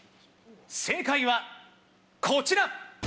正解はこちら！